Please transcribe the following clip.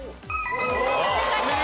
正解です。